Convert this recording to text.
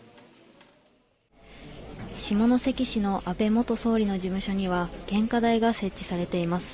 下関市の安倍元総理の事務所には献花台が設置されています。